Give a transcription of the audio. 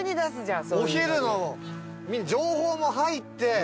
お昼の情報も入って。